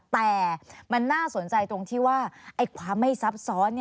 แต่มันน่าสนใจตรงที่ว่าความไม่ซับซ้อน